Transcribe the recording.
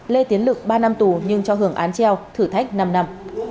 lê tiến lực ba năm tù nhưng cho hưởng án treo thử thách năm năm